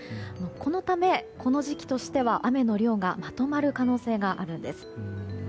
このため、この時期としては雨の量がまとまる可能性があるんです。